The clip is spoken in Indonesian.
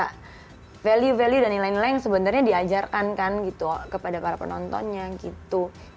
bisa value value dan yang lain lain yang sebenarnya diajarkan kan gitu kepada para penontonnya gitu